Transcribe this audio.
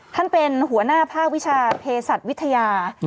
ท่านเป็นหัวหน้าภาควิชาเพศัตว์วิทยา